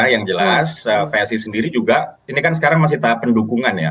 yang jelas psi sendiri juga ini kan sekarang masih tahap pendukungan ya